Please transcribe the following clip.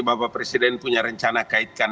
bapak presiden punya rencana kaitkan